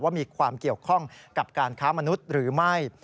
มีความเกี่ยวข้องกับการค้ามนุษย์หรือไม่